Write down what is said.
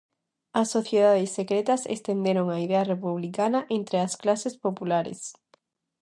As sociedades secretas estenderon a idea republicana entre as clases populares.